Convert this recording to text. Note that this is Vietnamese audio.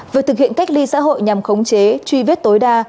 việc thực hiện cách ly xã hội nhằm khống chế truy vết tối đa